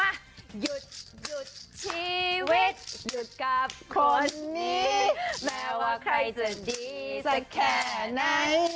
หยุดหยุดชีวิตหยุดกับคนนี้แม้ว่าใครจะดีสักแค่ไหน